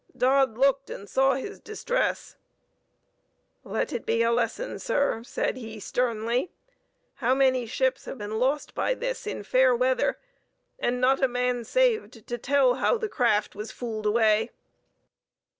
Dodd looked and saw his distress. "Let it be a lesson, sir," said he, sternly. "How many ships have been lost by this in fair weather, and not a man saved to tell how the craft was fooled away?"